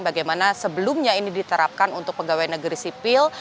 bagaimana sebelumnya ini diterapkan untuk pegawai negeri sipil